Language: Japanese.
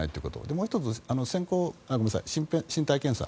もう１つ、身体検査。